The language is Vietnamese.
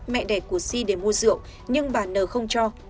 mẹ đẻ của si để mua rượu nhưng bà n không cho